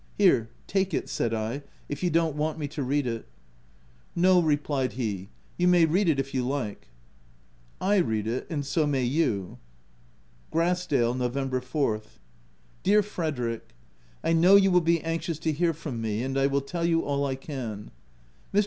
Here, take it," said I, u if you don't want me to read it/' " No, replied he, " you may read it if you like/' I read it and so may you. Grassdale, Nov. 4th. Dear Frederick, 1 know you will be anxious to hear from me : and I will tell you all I can. Mr.